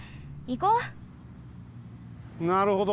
なるほど。